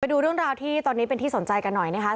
ดูเรื่องราวที่ตอนนี้เป็นที่สนใจกันหน่อยนะคะ